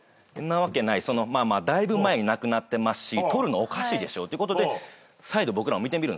だいぶ前に亡くなってますし撮るのおかしいでしょということで再度僕らも見てみる。